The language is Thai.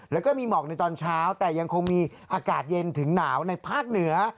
แล้วก็มีหมอกในตอนเช้าแต่ยังคงมีอากาศเย็นถึงหนาวในภาคเหนือ